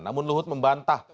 namun luhut membantah